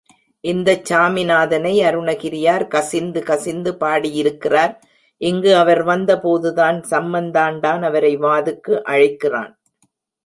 இந்தச் சாமி நாதனை அருணகிரியார் கசிந்து கசிந்து பாடியிருக்கிறார், இங்கு அவர் வந்தபோதுதான் சம்பந்தாண்டான் அவரை வாதுக்கு அழைக்கிறான்.